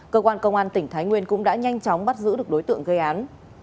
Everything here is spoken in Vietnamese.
cơ quan công an tỉnh thái nguyên cũng đã nhanh chóng bắt giữ được đối tượng gây án